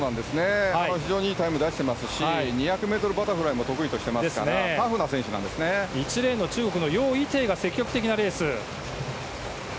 非常にいいタイムを出していますし２００ｍバタフライも得意としてますから中国のヨ・イテイが積極的なレース。